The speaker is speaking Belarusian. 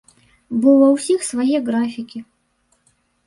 Бо ва ўсіх свае графікі.